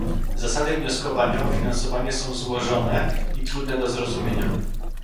Zasady wnioskowania o finansowanie są złożone i trudne do zrozumienia